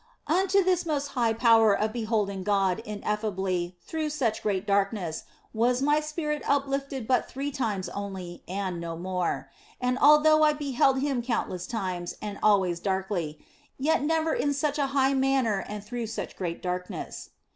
Unto this most high power of beholding God in effably through such great darkness was my spirit up lifted but three times only and no more ; and although I beheld Him countless times, and always darkly, yet never in such an high manner and through such great darkness.